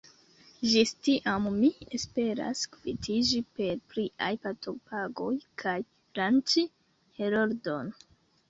Ĝis tiam mi esperas kvitiĝi per pliaj partopagoj kaj lanĉi Heroldon.